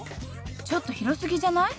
ちょっと広すぎじゃない？